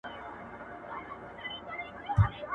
ايا د ټول اقتصاد توازن شونی دی؟